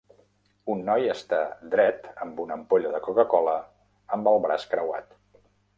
Un noi està dret amb una ampolla de Coca-Cola amb el braç creuat.